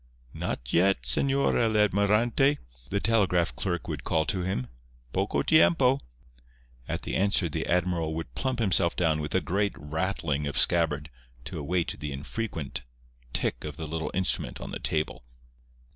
"Not yet, Señor el Almirante," the telegraph clerk would call to him—"poco tiempo!" At the answer the admiral would plump himself down with a great rattling of scabbard to await the infrequent tick of the little instrument on the table.